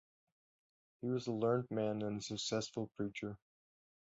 He was a learned man and a successful preacher.